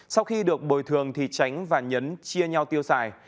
sau khi được bồi thường chánh và nhấn chia nhau tiêu xài